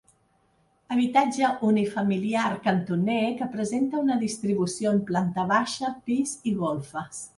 Habitatge unifamiliar cantoner que presenta una distribució en planta baixa, pis i golfes.